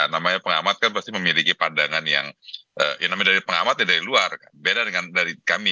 namanya pengamat kan pasti memiliki pandangan yang namanya dari pengamatnya dari luar kan beda dengan dari kami